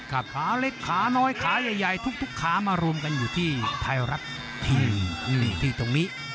ขาเล็กขาน้อยขาใหญ่ทุกขามารวมกันอยู่ที่ไทยรัฐทีวีที่ตรงนี้